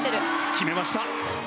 決めました。